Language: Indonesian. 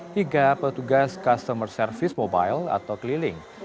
hingga petugas customer service mobile atau keliling